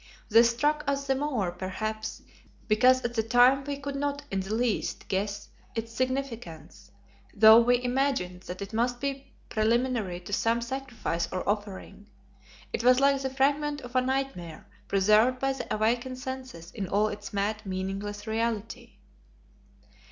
This struck us the more, perhaps, because at the time we could not in the least guess its significance, though we imagined that it must be preliminary to some sacrifice or offering. It was like the fragment of a nightmare preserved by the awakened senses in all its mad, meaningless reality.